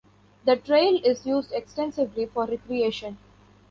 The trail is used extensively for recreation.